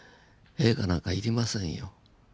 映画なんか要りませんよ。